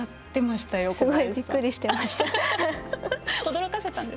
すごいびっくりしていました。